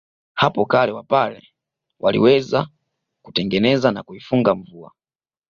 Hapo kale Wapare pia waliweza kutengeneza au kuifunga mvua